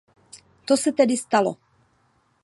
To se tedy stalo.